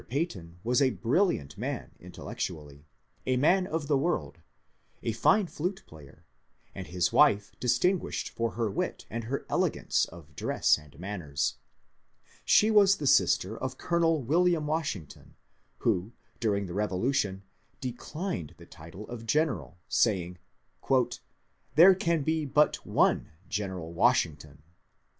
Peyton was a brilliant man intellectually, a man of the world, a fine flute player, and his wife distinguished for her wit and her elegance of dress and manners. She was the sister of Colonel William Washington, who during the Bevolution declined the title of General, saying, ^^ There can be but one General Washington."